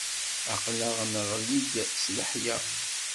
Aqlaɣ neɣli-d s leḥya.